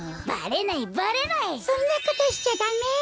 そんなことしちゃダメ！